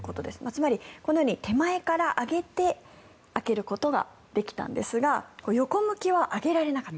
つまり、このように手前から上げて開けることはできたんですが横向きは開けられなかった。